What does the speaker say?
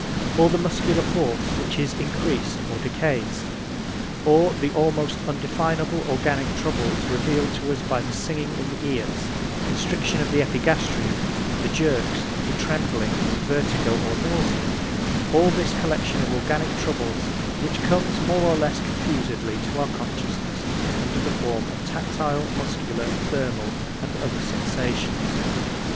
Or the muscular force, which is increased or decays. Or the almost undefinable organic troubles revealed to us by the singing in the ears, constriction of the epigastrium, the jerks, the trembling, vertigo, or nausea all this collection of organic troubles which comes more or less confusedly to our consciousness under the form of tactile, muscular, thermal, and other sensations.